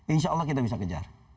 insya allah kita bisa kejar